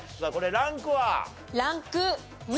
ランク２。